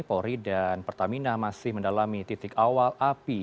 polri dan pertamina masih mendalami titik awal api